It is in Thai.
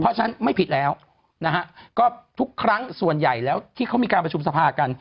เพราะฉะนั้นไม่ผิดแล้วนะฮะก็ทุกครั้งส่วนใหญ่แล้วที่เขามีการประชุมสภากัน